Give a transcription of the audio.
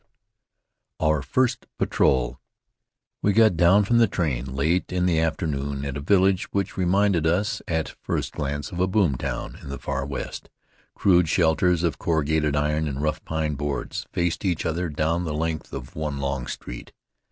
V OUR FIRST PATROL We got down from the train late in the afternoon at a village which reminded us, at first glance, of a boom town in the Far West. Crude shelters of corrugated iron and rough pine boards faced each other down the length of one long street.